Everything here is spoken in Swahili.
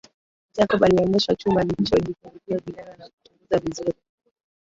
Jacob alioneshwa chumba alichojifungulia Juliana na kuchunguza vizuri